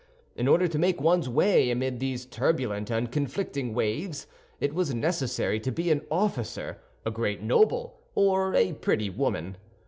In order to make one's way amid these turbulent and conflicting waves, it was necessary to be an officer, a great noble, or a pretty woman.